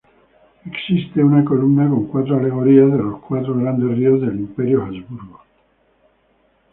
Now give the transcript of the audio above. Existe una columna con cuatro alegorías de los cuatro grandes ríos del Imperio Habsburgo.